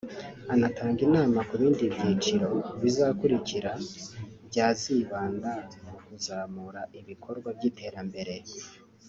anatanga inama ko ibindi byiciro bizakurikira byazibanda mu kuzamura ibikorwa by’iterambere